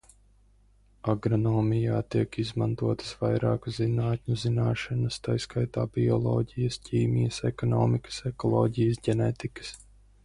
Agronomijā tiek izmantotas vairāku zinātņu zināšanas, tai skaitā bioloģijas, ķīmijas, ekonomikas, ekoloģijas, ģenētikas.